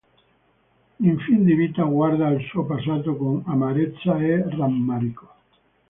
In fin di vita guarda al suo passato con amarezza e rammarico.